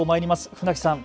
船木さん